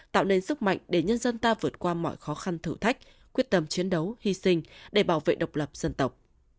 tạo nên sức mạnh để nhân dân ta vượt qua mọi khó khăn thử thách quyết tâm chiến đấu hy sinh để bảo vệ độc lập dân tộc